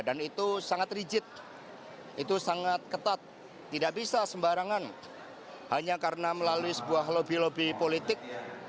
itu sangat rigid itu sangat ketat tidak bisa sembarangan hanya karena melalui sebuah lobby lobby politik